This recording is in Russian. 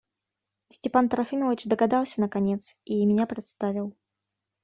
Степан Трофимович догадался наконец и меня представил.